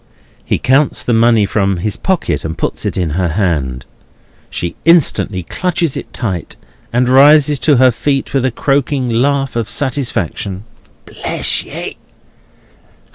He counts the money from his pocket, and puts it in her hand. She instantly clutches it tight, and rises to her feet with a croaking laugh of satisfaction. "Bless ye!